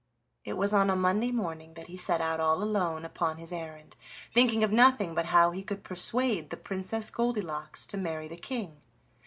It was on a Monday morning that he set out all alone upon his errand, thinking of nothing but how he could persuade the Princess Goldilocks to marry the King.